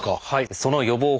その予防法